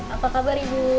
apa kabar ibu